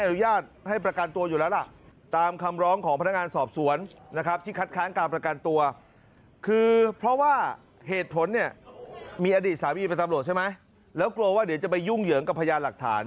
แล้วกลัวว่าเดี๋ยวจะไปยุ่งเหยิงกับพัยารหลักฐาน